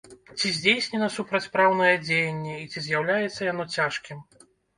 Ці здзейснена супрацьпраўнае дзеянне і ці з'яўляецца яно цяжкім?